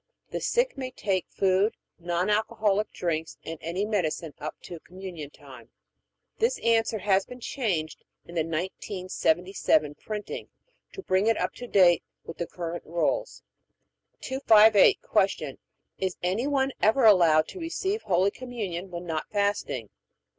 The sick may take food, non alcoholic drinks, and any medicine up to Communion time. [This answer has been changed in the 1977 printing to bring it up to date with the current rules.] 258. Q. Is any one ever allowed to receive Holy Communion when not fasting?